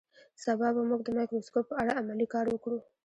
سبا به موږ د مایکروسکوپ په اړه عملي کار وکړو